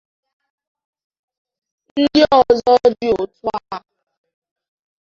N’ụzọ dị otu a